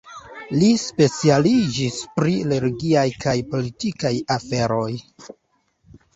Li specialiĝis pri religiaj kaj politikaj aferoj.